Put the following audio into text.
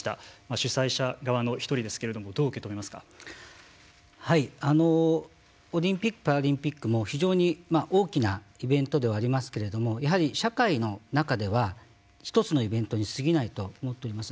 主催者側の１人ですけれどもオリンピック・パラリンピックも非常に大きなイベントではありますけれどもやはり社会の中では１つのイベントに過ぎないと思っております。